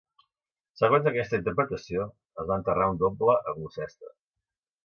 Segons aquesta interpretació, es va enterrar un doble a Gloucester.